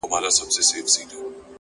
پر کومي لوري حرکت وو حوا څه ډول وه-